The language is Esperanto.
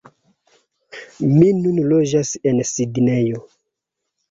Mi nun loĝas en Sidnejo